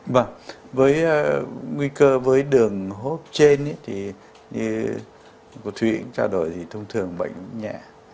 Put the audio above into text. vâng với nguy cơ với đường hốp trên thì như cô thủy trao đổi thì thông thường bệnh nhẹ